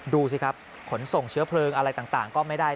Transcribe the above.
ดูสิครับขนส่งเชื้อเพลิงอะไรต่างก็ไม่ได้